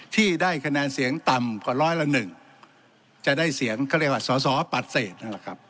ที่ได้คะแนนเสียงต่ำกว่าร้อยละหนึ่งจะได้เสียงเขาเรียกว่าสอสอปฏิเสธนั่นแหละครับ